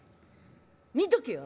「見とけよ」。